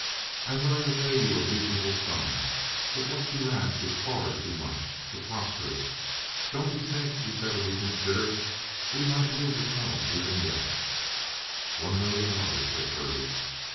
I'm willing to pay you a reasonable sum; but what you ask is far too much—preposterous! Don't you think you'd better reconsider? We might move the tunnel even yet." "One million dollars," said Purdy.